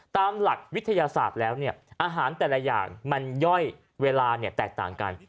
ตามหลักวิทยาศาสตร์แล้วเนี่ยอาหารแต่ละอย่างมันย่อยเวลาแตกต่างกัน